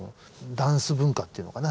ダンス文化っていうのかな。